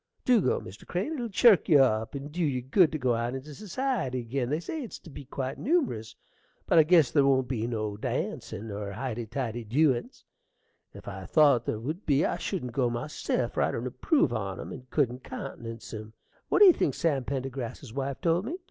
Do go, Mr. Crane: it'll chirk you up and dew you good to go out into society ag'in. They say it's to be quite numerous. But I guess ther won't be no dancin' nor highty tighty dewin's. If I thought ther would be I shouldn't go myself; for I don't approve on 'em, and couldn't countenance 'em. What do you think Sam Pendergrass's wife told me?